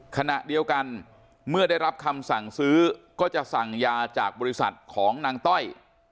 ขณะเดียวกันเมื่อได้รับคำสั่งซื้อก็จะสั่งยาจากบริษัทของนางต้อย